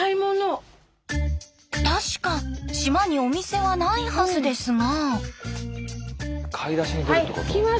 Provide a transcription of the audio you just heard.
確か島にお店はないはずですが。